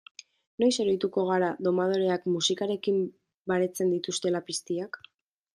Noiz oroituko gara domadoreak musikarekin baretzen dituela piztiak?